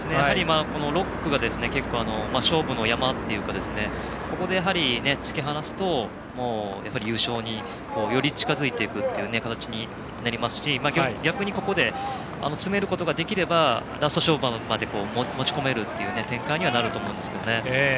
６区が結構勝負の山というかここで突き放すと優勝に、より近づいていくという形になりますし逆に、ここで詰めることができればラスト勝負まで持ち込めるという展開にはなると思います。